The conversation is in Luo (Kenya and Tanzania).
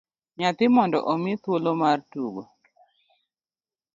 Nyathi mondo omi thuolo mar tugo